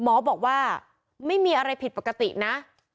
หมอบอกว่าไม่มีอะไรผิดปกตินะ